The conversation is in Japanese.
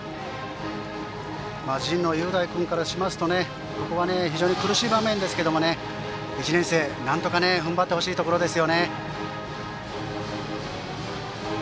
神農雄大君からするとここは非常に苦しい場面ですけれど１年生、なんとか踏ん張ってほしいところです。